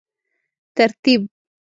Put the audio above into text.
ترتیب